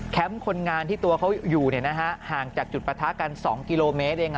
คนงานที่ตัวเขาอยู่ห่างจากจุดประทะกัน๒กิโลเมตรเอง